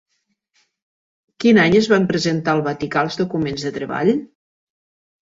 Quin any es van presentar al Vaticà els documents de treball?